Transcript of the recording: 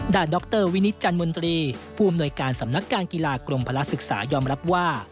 ด่านดรวินิจจันทร์มนตรีผู้อำนวยการสำนักการกีฬากลมภาระศึกษายอมรับว่า